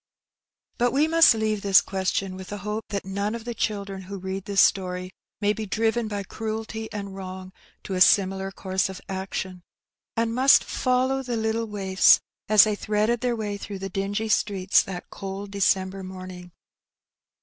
But we must leave this question, with the hope that none of the children who read this story may be driven by cruelty and wrong to a similar course of action, and must follow the little waifs as they threaded their way through the dingy streets that cold December morning.